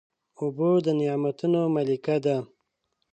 اوبه د نعمتونو ملکه ده.